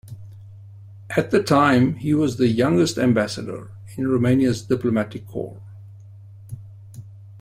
At the time, he was the youngest ambassador in Romania's diplomatic corps.